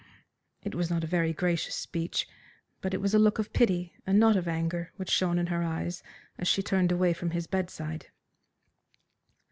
It was not a very gracious speech, but it was a look of pity and not of anger which shone in her eyes as she turned away from his bedside.